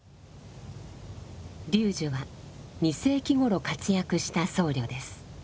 龍樹は２世紀頃活躍した僧侶です。